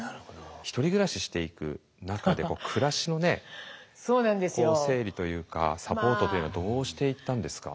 ひとり暮らししていく中で暮らしのね整理というかサポートというのはどうしていったんですか？